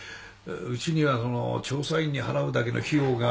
うちにはその調査員に払うだけの費用が。